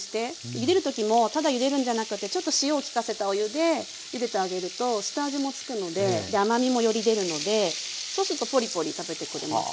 ゆでる時もただゆでるんじゃなくてちょっと塩を利かせたお湯でゆでてあげると下味も付くのでで甘みもより出るのでそうするとポリポリ食べてくれますね。